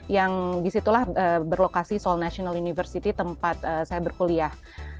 yang disitulah berlokasi seoul national university tempat saya berkuliah